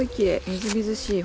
みずみずしい。